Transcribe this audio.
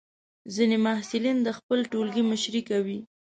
ځینې محصلین د خپل ټولګي مشري کوي.